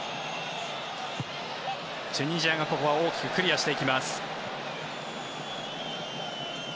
チュニジアがここは大きくクリアしていきます。